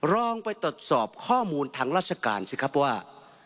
ลองไปตรวจสอบข้อมูลทางราชการสิครับว่า